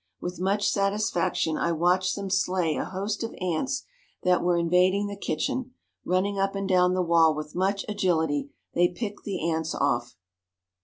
With much satisfaction I watched them slay a host of ants that were invading the kitchen; running up and down the wall with much agility, they picked the ants off.